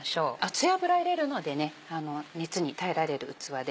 熱い油入れるので熱に耐えられる器で。